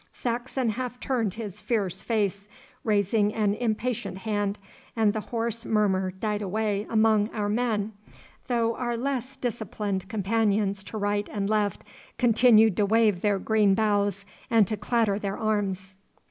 Saxon half turned his fierce face, raising an impatient hand, and the hoarse murmur died away among our men, though our less disciplined companions to right and left continued to wave their green boughs and to clatter their arms.